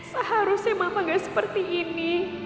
seharusnya mama gak seperti ini